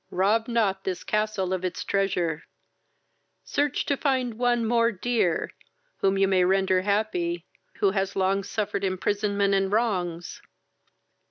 "Rob not this castle of its treasure: search to find one more dear, whom you may render happy, who long has suffered imprisonment and wrongs."